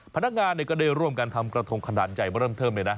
พนักงานก็ได้ร่วมกันทำกระทงขนาดใหญ่มาเริ่มเทิมเลยนะ